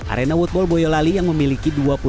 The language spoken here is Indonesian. arena woodball boyolali yang memiliki